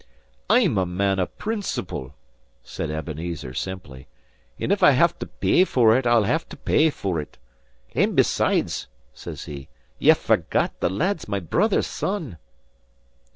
"I'm a man o' principle," said Ebenezer, simply; "and if I have to pay for it, I'll have to pay for it. And besides," says he, "ye forget the lad's my brother's son."